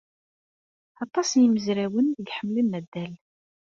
Aṭas n yimezrawen ay iḥemmlen addal.